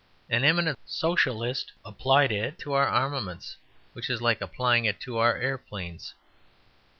An eminent Socialist applied it to our armaments, which is like applying it to our aeroplanes.